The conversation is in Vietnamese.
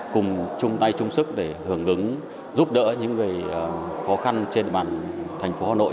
cùng chung tay chung sức để hưởng ứng giúp đỡ những người khó khăn trên địa bàn thành phố hà nội